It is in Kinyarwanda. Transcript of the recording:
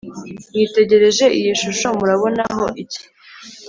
Mwitegereje iyi shusho murabonaho iki?